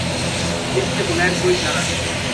اس کے بغیر کوئی چارہ نہیں۔